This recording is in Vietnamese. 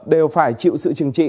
đều phải chịu sự chừng trị